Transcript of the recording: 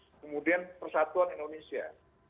kemudian persatuan indonesia